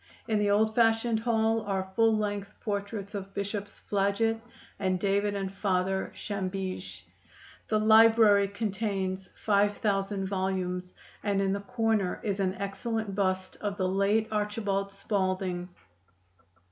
In the old fashioned hall are full length portraits of Bishops Flaget and David and Father Chambige. The library contains five thousand volumes, and in the corner is an excellent bust of the late Archbishop Spalding.